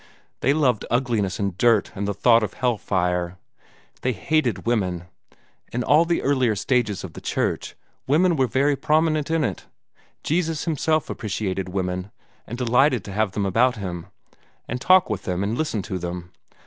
They loved ugliness and dirt and the thought of hell fire. They hated women. In all the earlier stages of the Church, women were very prominent in it. Jesus himself appreciated women, and delighted to have them about him, and talk with them and listen to them.